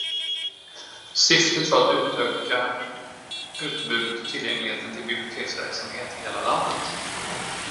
Syftet var att öka utbudet och tillgängligheten till biblioteksverksamhet i hela landet.